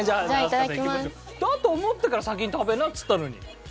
だと思ったから先に食べなっつったのに。